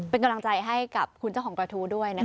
เป็นกำลังใจให้กับคุณเจ้าของกระทู้ด้วยนะคะ